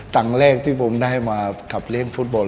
ครั้งแรกที่ผมได้มาขับเล่นฟุตบอล